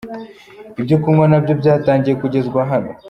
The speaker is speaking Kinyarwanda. Ibyo kunywa nabyo byatangiye kugezwa hano.